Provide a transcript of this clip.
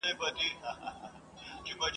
له بېلتونه به ژوندون راته سور اور سي !.